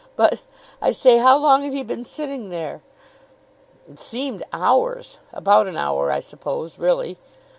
"But, I say, how long had he been sitting there?" "It seemed hours. About an hour, I suppose, really."